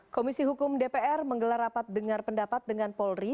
komisi hukum dpr menggelar rapat dengar pendapat dengan polri